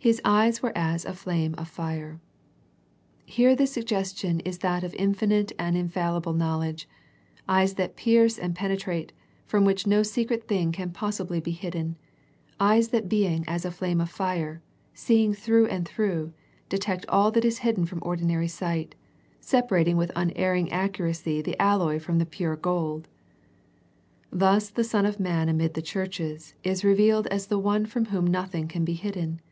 _ ''His eyes were as a Hame of Hre." Here the suggestion is that of infinite and infallible knowledge, eyes that pierce and penetrate, from which no secret thing can possibly be^ hidden, eyes that being as a flame of fire, see ing through and through, detect all that is hidden from ordinary sight, separating with unerring accuracy the alloy from the pure gold. Thus the Son of man amid the churches is revealed as the One from Whom nothing can be hidden.